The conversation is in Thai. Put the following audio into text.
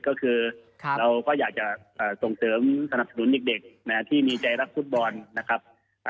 ก็คือเราก็อยากจะส่งเสริมสนับสนุนเด็กที่มีใจรักฟุตบอลนะครับ